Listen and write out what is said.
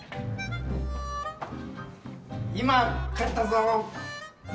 今帰ったぞー。